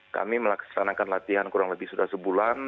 kami melaksanakan latihan kurang lebih sudah sebulan